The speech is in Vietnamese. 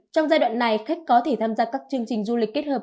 trong giai đoạn này khách có thể tham gia các chương trình du lịch kết hợp